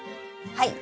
はい。